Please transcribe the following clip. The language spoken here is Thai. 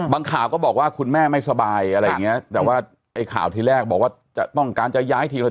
ข่าวก็บอกว่าคุณแม่ไม่สบายอะไรอย่างเงี้ยแต่ว่าไอ้ข่าวที่แรกบอกว่าจะต้องการจะย้ายทีละ